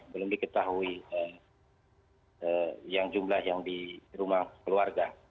belum diketahui yang jumlah yang di rumah keluarga